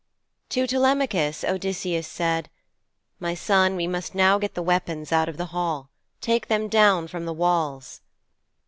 XII To Telemachus Odysseus said, 'My son, we must now get the weapons out of the hall. Take them down from the walls.'